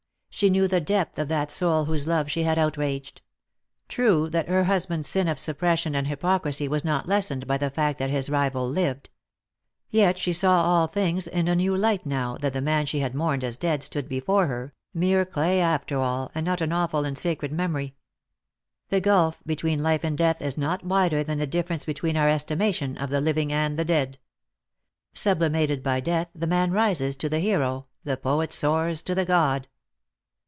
She knew the depth of that soul whose love she had outraged. True that her husband's sin of suppression and hypocrisy was not lessened by the fact that his rival lived. Yet she saw all things in a new light now that the man she had mourned as dead stood before her, mere clay after all, and not an awful and sacred memory. The gulf between life and death is not wider than the difference between our estimation of the living and the dead. Sublimated by death the man rises to the hero, the poet soars to the god.